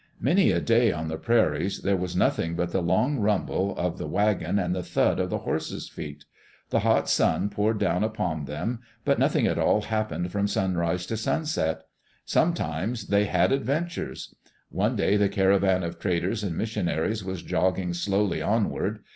Many a day on the prairies, there was nothing but the long rumble of the wagon and the thud of the horses' feet. The hot sun poured down upon them, but nothing at all happened from sunrise to sunset. Sometimes they had adventures. One day the caravan of traders and missionaries was jogging slowly onward.